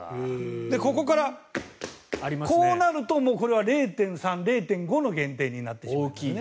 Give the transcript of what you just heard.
ここからこうなるとこれは０．３、０．５の減点になってしまうんですね。